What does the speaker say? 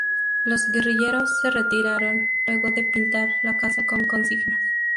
Los guerrilleros se retiraron luego de pintar la casa con consignas.